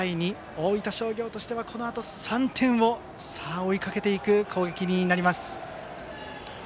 大分商業としてはこのあと３点を追いかけていく攻撃になります。